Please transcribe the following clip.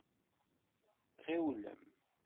Ɣiwlem!